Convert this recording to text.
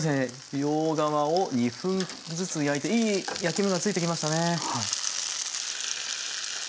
両側を２分ずつ焼いていい焼き目がついてきましたね。